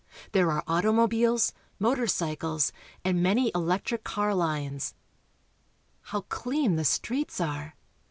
There are automobiles, motor cycles, and many electric car lines. 204 URUGUAY. How clean the streets are